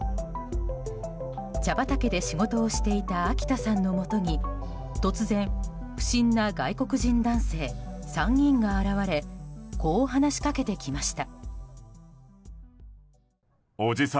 茶畑で仕事をしていた秋田さんのもとに突然、不審な外国人男性３人が現れこう話しかけてきました。